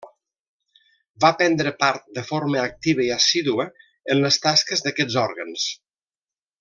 Va prendre part de forma activa i assídua en les tasques d'aquests òrgans.